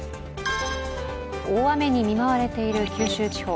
大雨に見舞われている九州地方。